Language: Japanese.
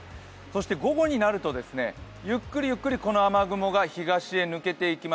そして午後になると、ゆっくりゆっくりこの雨雲が東へ抜けていき